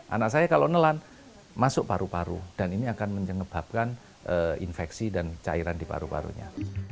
anak saya kalau nelan masuk paru paru dan ini akan menyebabkan infeksi dan cairan di paru parunya